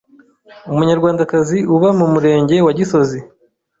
umunyarwandakazi uba mu Murenge wa Gisozi